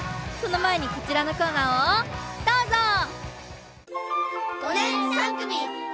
そのまえにこちらのコーナーをどうぞ！